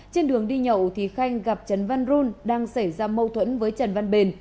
trên đường đi nhậu thì khanh gặp trần văn run đang xảy ra mâu thuẫn với trần văn bền